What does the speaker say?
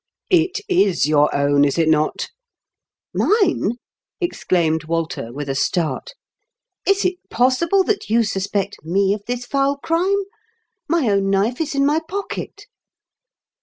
"It is your own, is it not ?"" Mine !" exclaimed Walter, with a start. "Is it possible that you suspect me of this foul crime ? My own knife is in my pocket."